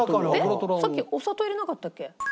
さっきお砂糖入れなかったっけ？